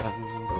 kok air putih